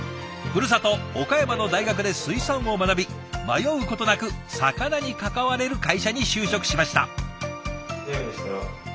ふるさと岡山の大学で水産を学び迷うことなく魚に関われる会社に就職しました。